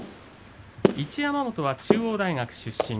一山本は中央大学出身。